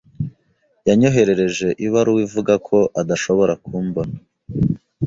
Yanyoherereje ibaruwa ivuga ko adashobora kumbona.